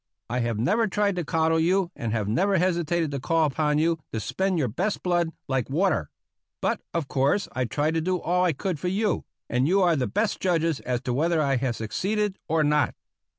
I have never tried to coddle you and have never hesitated to call upon you to spend your best blood like water. But of course I tried to do all I could for you, and you are the best judges as to whether I have succeeded or not.